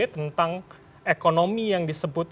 tentang ekonomi yang disebut